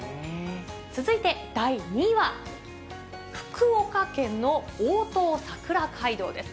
続いて第２位は、福岡県のおおとう桜街道です。